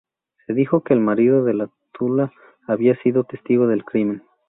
Se dijo que el marido de Tula había sido testigo del crimen.